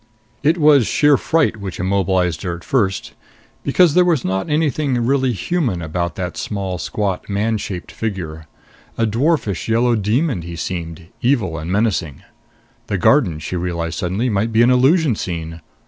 It was sheer fright which immobilized her at first. Because there was not anything really human about that small, squat, manshaped figure. A dwarfish yellow demon he seemed, evil and menacing. The garden, she realized suddenly, might be an illusion scene.